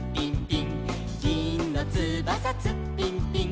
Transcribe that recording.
「ぎんのつばさツッピンピン」